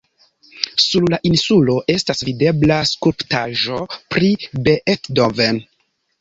Sur la insulo estas videbla skulptaĵo pri Beethoven.